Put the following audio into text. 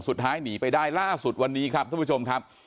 สุดท้ายหนีไปได้ล่าสุดวันนี้ครับท่านผู้ชมครับ